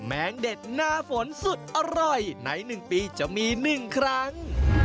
แมงเด็ดหน้าฝนสุดอร่อยในหนึ่งปีจะมีหนึ่งครั้ง